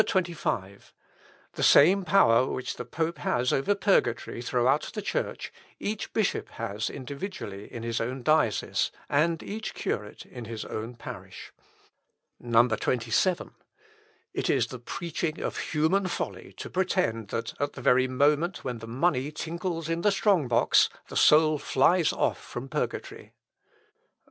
"The same power which the pope has over purgatory throughout the Church, each bishop has individually in his own diocese, and each curate in his own parish. 27. "It is the preaching of human folly to pretend, that at the very moment when the money tinkles in the strong box, the soul flies off from purgatory. 28.